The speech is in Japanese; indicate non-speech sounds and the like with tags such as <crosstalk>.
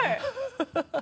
ハハハ <laughs>